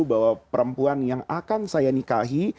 bahwa perempuan yang akan saya nikahi